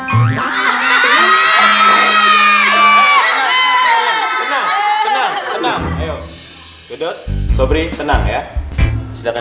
tenang tenang ayo duduk sobri tenang ya silakan